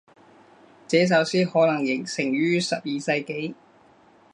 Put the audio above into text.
这首诗可能形成于十二世纪。